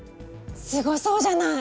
すごそうじゃない。